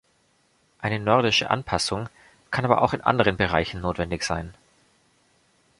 Eine nordische Anpassung kann aber auch in anderen Bereichen notwendig sein.